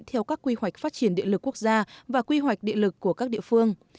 theo các quy hoạch phát triển địa lực quốc gia và quy hoạch địa lực của các địa phương